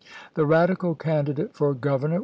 The Radical candidate for governor ises.